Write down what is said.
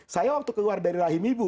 saya waktu keluar dari rahim ibu